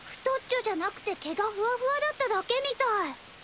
太っちょじゃなくて毛がふわふわだっただけみたい。